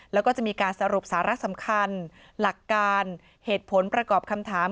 แล้วก็จะมีการสรุปสาระสำคัญหลักการเหตุผลประกอบคำถาม